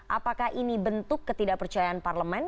apakah ini bentuk ketidakpercayaan parlemen